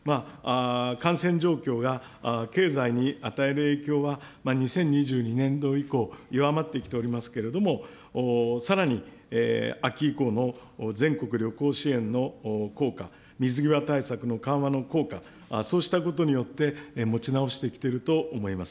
感染状況が経済に与える影響は２０２２年度以降、弱まってきておりますけれども、さらに秋以降の全国旅行支援の効果、水際対策の緩和の効果、そうしたことによって、持ち直してきていると思います。